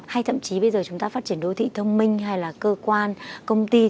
hay thậm chí bây giờ chúng ta phát triển đô thị thông minh hay là cơ quan công ty